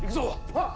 はっ！